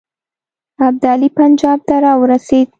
ابدالي پنجاب ته را ورسېد.